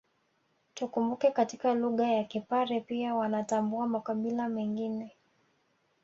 Tukumbuke katika lugha ya Kipare pia wanatambua makabila mengine